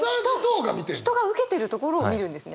人が受けてるところを見るんですね？